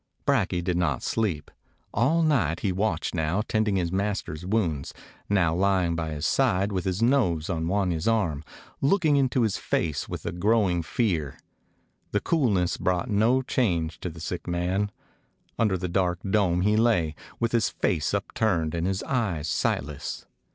Brakje did not sleep. All night he watched, now tending his master's wounds, now lying by his side, with his nose on Wan ya's arm, looking into his face with a growing fear. The coolness brought no change to the sick man. Under the dark dome he lay, with his face upturned and his eyes sightless.